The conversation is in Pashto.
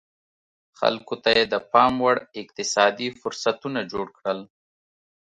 خلکو ته یې د پام وړ اقتصادي فرصتونه جوړ کړل